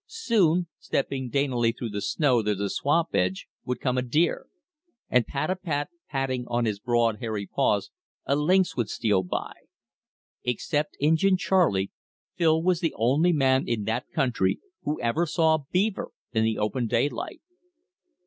Soon, stepping daintily through the snow near the swamp edge, would come a deer; or pat apat patting on his broad hairy paws, a lynx would steal by. Except Injin Charley, Phil was the only man in that country who ever saw a beaver in the open daylight.